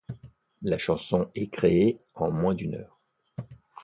La chanson est créée en moins d'une heure.